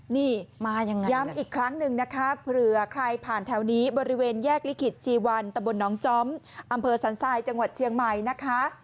นี่มายังไงย้ำอีกครั้งหนึ่งนะคะเผื่อใครผ่านแถวนี้บริเวณแยกลิขิตจีวันตะบนน้องจ้อมอำเภอสันทรายจังหวัดเชียงใหม่นะคะ